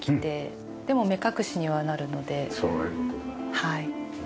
はい。